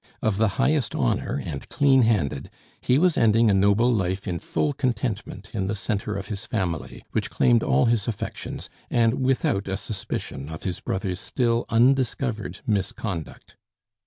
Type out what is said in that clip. Of the highest honor and clean handed, he was ending a noble life in full contentment in the centre of his family, which claimed all his affections, and without a suspicion of his brother's still undiscovered misconduct.